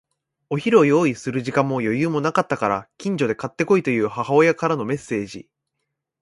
お昼を用意する時間も余裕もなかったから、近所で買って来いという母親からのメッセージ。